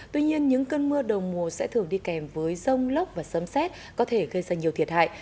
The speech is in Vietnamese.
tuy nhiên những cơn mưa đầu mùa sẽ thường đi kèm với rông lốc và sấm xét có thể gây ra nhiều thiệt hại